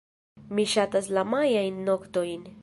Mi ŝatas la majajn noktojn.